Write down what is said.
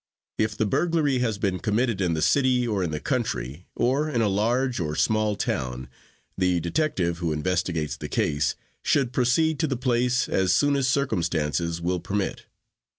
If the burglary has been committed in the city or in the country, or in a large or small town, the detective who investigates the case should proceed to the place as soon as circumstances will permit.